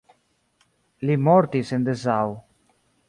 Li mortis en Dessau.